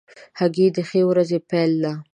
هګۍ د ښې ورځې پیل دی.